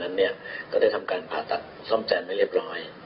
ในบทวิจัยคือจะทำการป่าตัดซ่อมแจนไม่เรียบร้อย